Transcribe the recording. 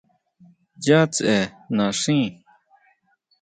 ¿Ya tsʼe naxín?